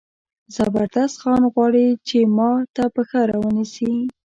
زبردست خان غواړي چې ما ته پښه را ونیسي.